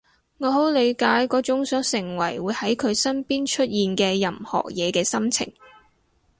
我好理解嗰種想成為會喺佢身邊出現嘅任何嘢嘅心情